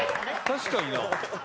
確かにな。